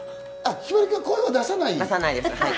ひばりくん、声は出さない？